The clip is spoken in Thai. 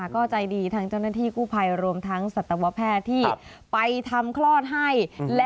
ก็ใจดีทางเจ้าหน้าที่กู้ภัยรวมทั้งสัตวแพทย์ที่ไปทำคลอดให้